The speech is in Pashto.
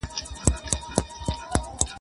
د نړۍ په تاريخ کي